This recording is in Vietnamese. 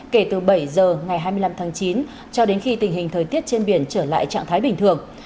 kể từ bảy giờ ngày hai mươi năm tháng chín cho đến khi tình hình thời tiết trên biển trở lại trạng thái bình thường